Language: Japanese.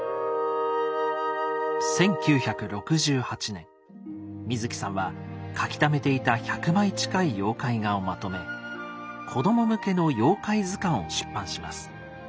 １９６８年水木さんは描きためていた１００枚近い妖怪画をまとめ子供向けの妖怪図鑑を出版します。